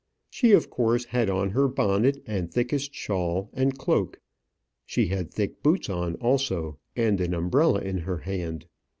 She of course had on her bonnet, and thickest shawl, and cloak. She had thick boots on also, and an umbrella in her hand.